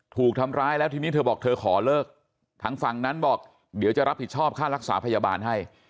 ถูกทำร้ายแล้วทีนี้เธอบอกเธอขอเลิกทางฝั่งนั้นบอกเดี๋ยวจะรับผิดชอบค่ารักษาพยาบาลให้